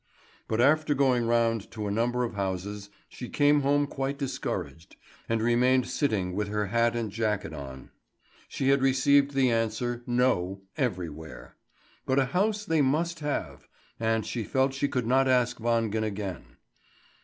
But after going round to a number of houses, she came home quite discouraged, and remained sitting with her hat and jacket on. She had received the answer "No" everywhere. But a house they must have; and she felt she could not ask Wangen again.